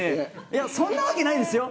いや、そんなわけないですよ。